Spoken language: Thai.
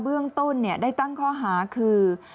บื้องต้นเนี่ยได้ตั้งค้อหาคือ